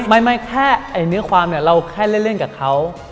ไม่แค่เนื้อความเนี่ยเราแค่เล่นกับเขา